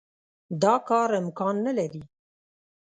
دا کار امکان نه لري.